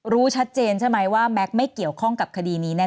รู้ชัดเจนใช่ไหมว่าแม็กซ์ไม่เกี่ยวข้องกับคดีนี้แน